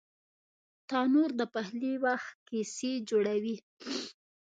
تنور د پخلي وخت کیسې جوړوي